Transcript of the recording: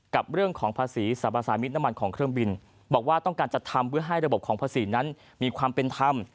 กับเรื่องของภาษีสรรพสามิตรน้ำมันของเครื่องบินบอกว่าต้องการจัดทำเพื่อให้ระบบของภาษีนั้นมีความเป็นธรรม